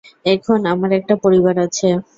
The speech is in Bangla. এখন আমার একটা পরিবার আছে।